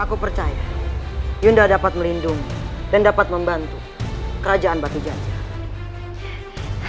aku percaya yuda dapat melindungi dan dapat membantu kerajaan batu ganja